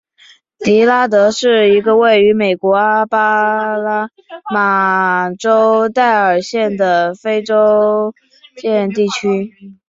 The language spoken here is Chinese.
迪拉德是一个位于美国阿拉巴马州戴尔县的非建制地区。